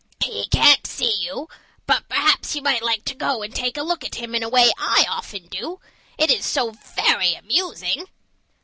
He can't see you, but perhaps you might like to go and take a look at him in a way I often do? It is so very amusing."